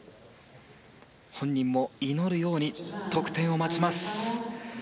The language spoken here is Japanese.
本人も祈るように得点を待ちます。